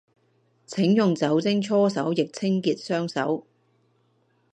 請用酒精搓手液清潔雙手